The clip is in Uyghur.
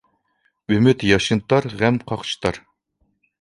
ئۈمىد ياشنىتار، غەم قاقشىتار.